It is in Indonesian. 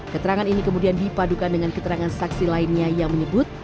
keterangan ini kemudian dipadukan dengan keterangan saksi lainnya yang menyebut